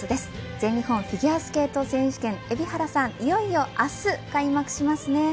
全日本フィギュアスケート選手権海老原さん、いよいよ明日開幕しますね。